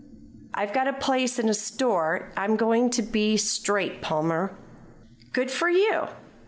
I've got a place in a store. I'm going to be straight, Palmer." "Good for you!"